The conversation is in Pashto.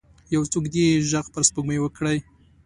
یو څوک دې ږغ پر سپوږمۍ وکړئ